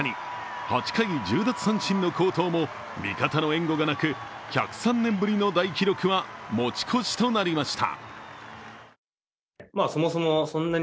８回１０奪三振の好投も、味方の援護がなく１０３年ぶりの大記録は持ち越しとなりました。